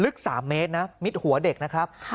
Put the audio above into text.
ลึก๓เมตรนะมิดหัวเด็กนะครับ